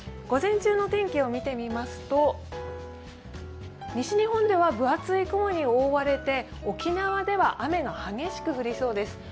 午前中の天気を見てみますと、西日本では分厚い雲に覆われて沖縄では雨が激しく降りそうです。